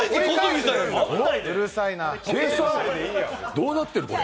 どうなってる、これ？